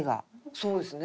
そうですね。